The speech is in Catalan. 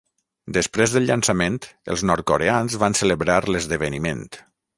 Després del llançament, els nord-coreans van celebrar l'esdeveniment.